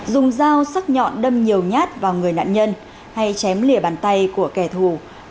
dùng dao sắc nhọn đâm nhiều nhát vào người nạn nhân hay chém lìa bàn tay của kẻ thù